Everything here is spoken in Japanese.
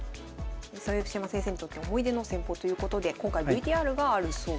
豊島先生にとって思い出の戦法ということで今回ＶＴＲがあるそうです。